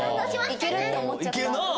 いけるって思っちゃったなあ！